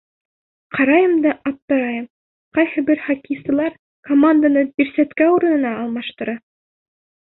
Ҡарайым да аптырайым: ҡайһы бер хоккейсылар команданы бирсәткә урынына алмаштыра.